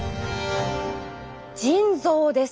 腎臓です。